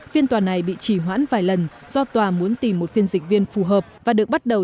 phiên tòa này bị trì hoãn vài lần do tòa muốn tìm một phiên dịch viên phù hợp và được bắt đầu